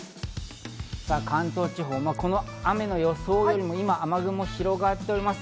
関東地方、この雨の予想よりも今、雨雲が広がっております。